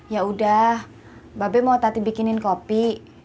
yaudah babi mau tati bikinin kopi